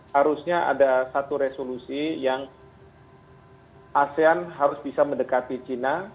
harusnya ada satu resolusi yang asean harus bisa mendekati china